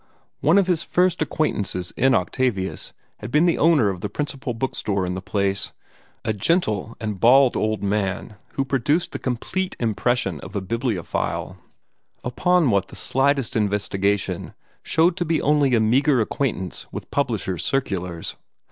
One of his first acquaintances in Octavius had been the owner of the principal book store in the place a gentle and bald old man who produced the complete impression of a bibliophile upon what the slightest investigation showed to be only a meagre acquaintance with publishers' circulars.